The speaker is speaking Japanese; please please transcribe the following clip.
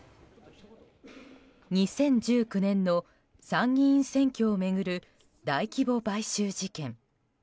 ２０１９年の参議院選挙を巡る大規模買収事件。